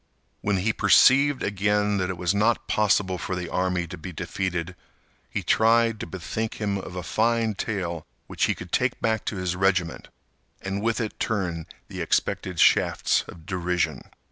When he perceived again that it was not possible for the army to be defeated, he tried to bethink him of a fine tale which he could take back to his regiment, and with it turn the expected shafts of derision.